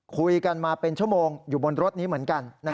คุยกันมาเป็นชั่วโมงอยู่บนรถนี้เหมือนกัน